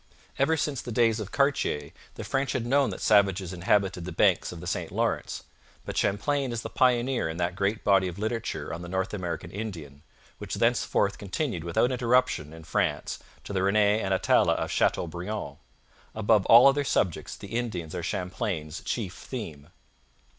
Ever since the days of Cartier the French had known that savages inhabited the banks of the St Lawrence, but Champlain is the pioneer in that great body of literature on the North American Indian, which thenceforth continued without interruption in France to the Rene and Atala of Chateaubriand. Above all other subjects, the Indians are Champlain's chief theme.